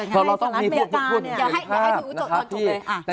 เพราะเราต้องมีพูดอยู่ในภาพ